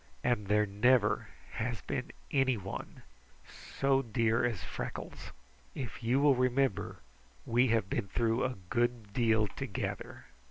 And there never has been anyone so dear as Freckles. If you will remember, we have been through a good deal together.